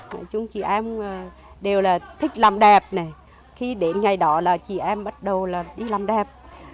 nói chung chị em đều là thích làm đẹp này khi đến ngày đó là chị em bắt đầu là đi làm đẹp